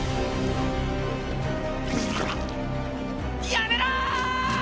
やめろ！